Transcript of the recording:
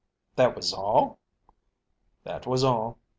"That was all?" "That was all."